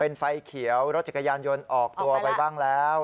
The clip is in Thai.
เป็นไฟเขียวรถจักรยานยนต์ออกตัวไปบ้างแล้ว